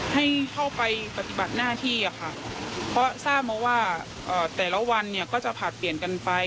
ให้เข้าไปปฏิบัติหน้าที่ค่ะเพราะทราบมาว่าแต่ละวันเนี่ยก็จะผลัดเปลี่ยนกันไป